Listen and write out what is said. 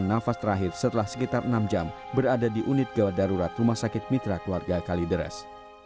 nafas terakhir setelah sekitar enam jam berada di unit gawat darurat rumah sakit mitra keluarga kalideres